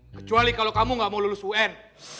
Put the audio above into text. kecuali kalau kamu gak mau lulus un